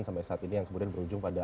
sampai saat ini yang kemudian berujung pada